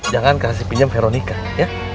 jangan kasih pinjam veronica ya